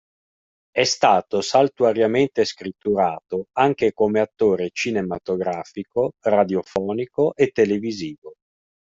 È stato saltuariamente scritturato anche come attore cinematografico, radiofonico e televisivo.